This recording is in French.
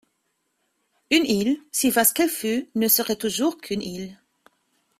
Une île, si vaste qu’elle fût, ne serait toujours qu’une île!